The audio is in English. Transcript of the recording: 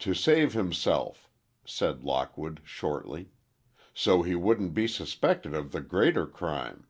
"To save himself," said Lockwood, shortly. "So he wouldn't be suspected of the greater crime."